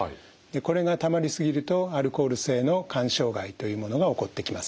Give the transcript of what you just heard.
これがたまり過ぎるとアルコール性の肝障害というものが起こってきます。